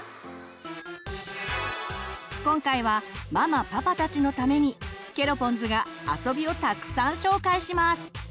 今回はママパパたちのためにケロポンズが遊びをたくさん紹介します！